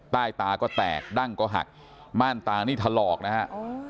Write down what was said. ใต้ตาก็แตกดั้งก็หักม่านตานี่ถลอกนะฮะ